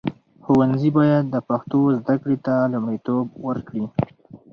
ښوونځي باید د پښتو زده کړې ته لومړیتوب ورکړي.